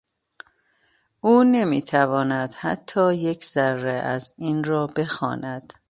او نمیتواند حتی یک ذره از این را بخواند.